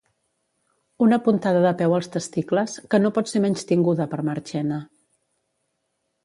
Una puntada de peu als testicles que no pot ser menystinguda per Marchena.